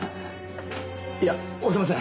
いや押せません。